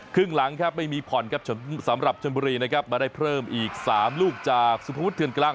ครึ่งหลังครับไม่มีผ่อนครับสำหรับชนบุรีนะครับมาได้เพิ่มอีก๓ลูกจากสุภวุฒเถื่อนกลาง